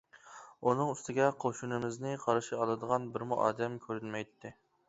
ئۇنىڭ ئۈستىگە قوشۇنىمىزنى قارشى ئالىدىغان بىرمۇ ئادەم كۆرۈنمەيتتى.